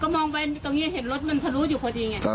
มองไปตรงนี้เห็นรถมันทะลุอยู่พอดีไง